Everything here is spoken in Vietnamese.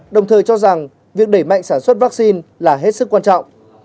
đồng thời cho rằng việc đẩy mạnh sản xuất vaccine là hết sức quan trọng